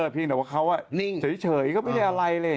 พีงก็ว่าเขาเฉยก็ไม่ได้อะไร